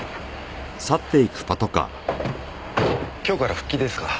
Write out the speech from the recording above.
今日から復帰ですか？